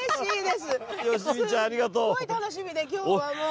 すごい楽しみで今日はもう。